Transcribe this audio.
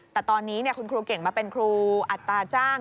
แต่ตอนนี้คุณครูเก่งมาเป็นครูอัตราจ้าง